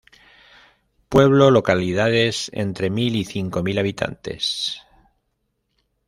Pueblo Localidades entre mil y cinco mil habitantes.